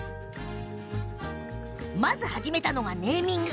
まず始めたのが、ネーミング。